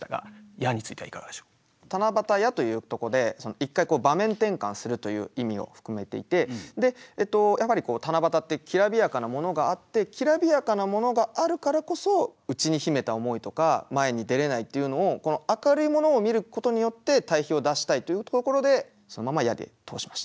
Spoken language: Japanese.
「七夕や」というとこで一回場面転換するという意味を含めていてやっぱり七夕ってきらびやかなものがあってきらびやかなものがあるからこそ内に秘めた思いとか前に出れないっていうのを明るいものを見ることによって対比を出したいというところでそのまま「や」で通しました。